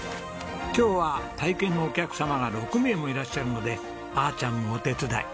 今日は体験のお客様が６名もいらっしゃるのであーちゃんもお手伝い。